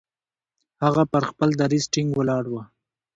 هغه پر خپل دریځ ټینګ ولاړ وو.